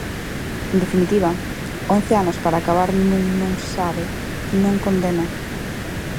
En definitiva, once anos para acabar nun non sabe, non condena.